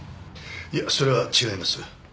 いやそれは違います。